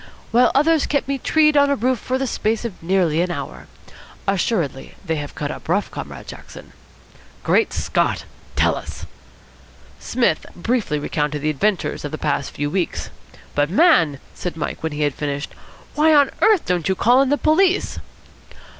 "While others kept me tree'd on top of a roof for the space of nearly an hour. Assuredly they have cut up rough, Comrade Jackson." "Great Scott! Tell us." Psmith briefly recounted the adventures of the past few weeks. "But, man," said Mike, when he had finished "why on earth don't you call in the police?"